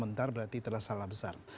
sementara berarti itu adalah salah besar